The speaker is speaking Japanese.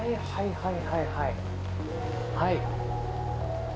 「はい」？